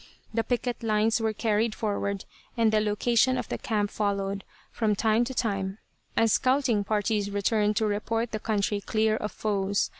The picket lines were carried forward and the location of the camp followed, from time to time, as scouting parties returned to report the country clear of foes.